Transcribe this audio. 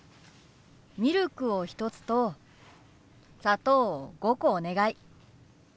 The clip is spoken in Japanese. ミルクを１つと砂糖を５個お願い。